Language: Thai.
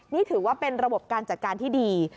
นี่ถือว่าเป็นระบบการจัดการที่ดี